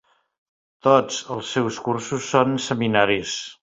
Tots els seus cursos són seminaris.